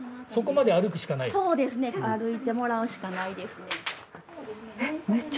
そうですね歩いてもらうしかないですね。